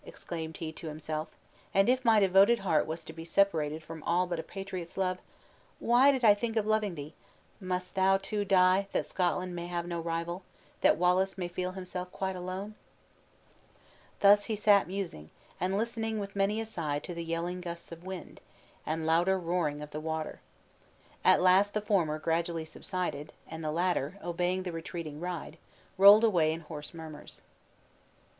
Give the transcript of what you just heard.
exclaimed he to himself; "and if my devoted heart was to be separated from all but a patriot's love! why did I think of loving thee? must thou, too, die, that Scotland may have no rival, that Wallace may feel himself quite alone!" Thus he sat musing, and listening, with many a sigh, to the yelling gusts of wind, and louder roaring of the water. At last the former gradually subsided, and the latter, obeying the retreating ride, rolled away in hoarse murmurs.